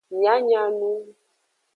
Mia nya nu.